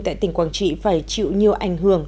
tại tỉnh quảng trị phải chịu nhiều ảnh hưởng